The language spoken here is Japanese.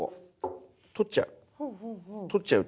取っちゃう。